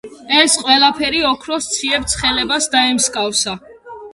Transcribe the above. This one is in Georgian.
ეს ყველაფერი ოქროს ციებ-ცხელებას დაემსგავდა.